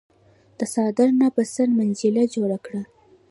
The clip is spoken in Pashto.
د څادر نه په سر منجيله جوړه کړه۔